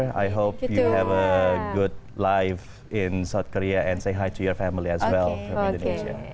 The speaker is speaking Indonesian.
saya harap kamu bisa hidup dengan baik di korea selatan dan juga mengucapkan selamat tinggal kepada keluarga kamu